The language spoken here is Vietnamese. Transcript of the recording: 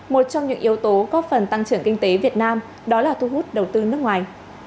một trong những yếu tố góp phần tăng trưởng kinh tế việt nam đó là thu hút đầu tư nước ngoài